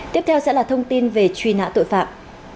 tiếp theo sẽ là thông tin về truy nã tội phạm